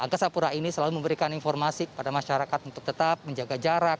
memperoleh memberikan informasi kepada masyarakat untuk tetap menjaga jarak